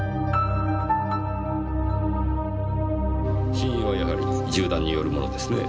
死因はやはり銃弾によるものですねぇ。